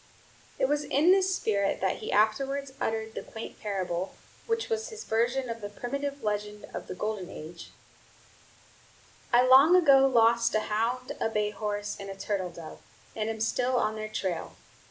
It was in this spirit that he afterwards uttered the quaint parable, which was his version of the primitive legend of the Golden Age: "I long ago lost a hound, a bay horse, and a turtle dove, and am still on their trail.